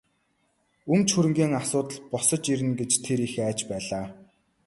Өмч хөрөнгийн асуудал босож ирнэ гэж тэр их айж байлаа.